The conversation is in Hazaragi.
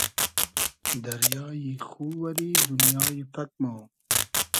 دئریای خو وئری دونیای پئگ مۉ